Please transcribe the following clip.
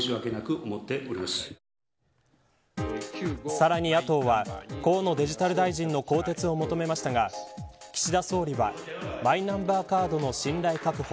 さらに野党は河野デジタル大臣の更迭を求めましたが岸田総理はマイナンバーカードの信頼確保